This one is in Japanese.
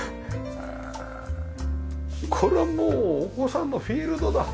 これはもうお子さんのフィールドだ。